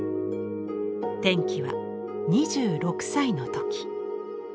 転機は２６歳の時。